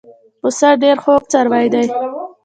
پسه ډېر خوږ څاروی دی.